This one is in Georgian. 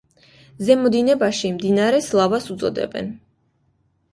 ზემო დინებაში, მდინარეს ლავას უწოდებენ.